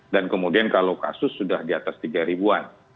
dan kemudian kalau kasus sudah di atas tiga ribuan